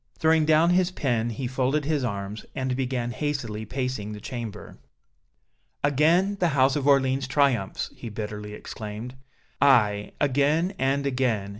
Throwing down his pen, he folded his arms, and began hastily pacing the chamber. "Again the House of Orléans triumphs!" he bitterly exclaimed. "Aye, again and again!